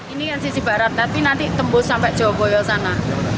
ini kan sisi barat nanti tembus sampai jawa boyo sana